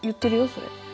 それ。